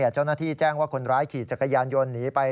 เจ้าหน้าที่แจ้งว่าคนร้ายขี่จักรยานโยนหนีไป